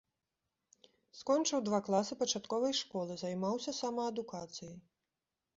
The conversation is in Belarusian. Скончыў два класы пачатковай школы, займаўся самаадукацыяй.